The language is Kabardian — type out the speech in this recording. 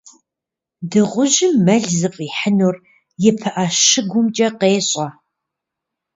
Дыгъужьым мэл зыфӏихьынур и пыӏэ щыгумкӏэ къещӏэ.